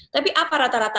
tapi apa rata rata